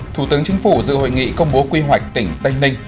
thủ tướng chính phủ dự hội nghị công bố quy hoạch tỉnh tây ninh